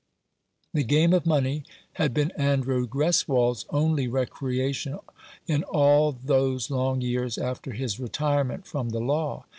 The game of money had been Andrew Greswold's only recreation in all those long years after his retire ment from the law.